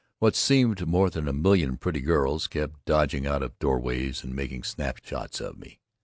What seemed more than a million pretty girls kept dodging out of doorways and making snapshots of me.